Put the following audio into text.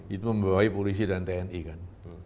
itu membawahi polisi dan tni kan